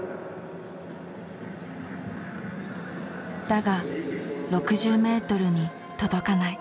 だが６０ｍに届かない。